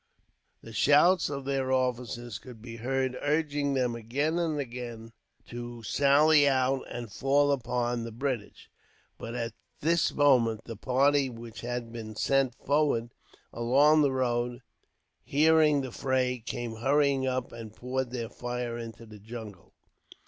The shouts of their officers could be heard, urging them again to sally out and fall upon the British; but at this moment, the party which had been sent forward along the road, hearing the fray, came hurrying up and poured their fire into the jungle.